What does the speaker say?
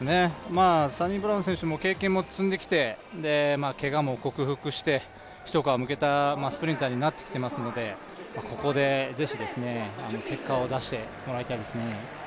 サニブラウン選手も経験も積んできて、けがも克服して一皮むけたスプリンターになってきてますのでここで是非、結果を出してもらいたいですね。